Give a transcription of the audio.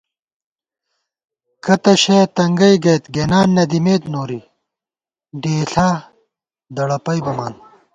کتّہ شَیَہ تنگَئ گَئیت گېنان نَدِمېت نوری، ڈېئیݪا دڑَپئ بَمان